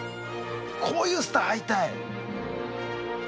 こういうスター会いたい。